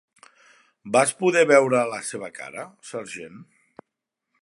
Vas poder veure la seva cara, Sergeant?